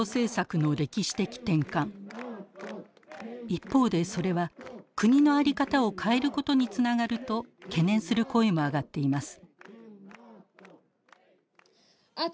一方でそれは国のあり方を変えることにつながると懸念する声も上がっています。